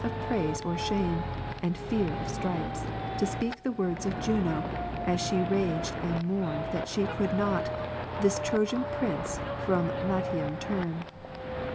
of praise or shame, and fear of stripes, to speak the words of ^*• Juno, as she raged and mourned that she could not This Trojan prince from Latium turn.